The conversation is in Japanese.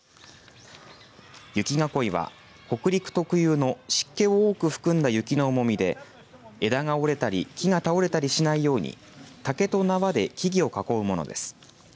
雪囲いは北陸特有の湿気を多く含んだ雪の重みで枝が折れたり木が倒れたりしないように竹と縄で木々を囲うものです。